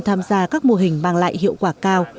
tham gia các mô hình mang lại hiệu quả cao